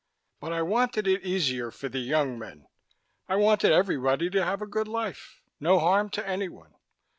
But I wanted it easier for the young men. I wanted everybody to have a good life. No harm to anyone.